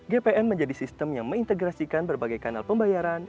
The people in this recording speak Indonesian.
gpn menjadi sistem yang mengintegrasikan berbagai kanal pembayaran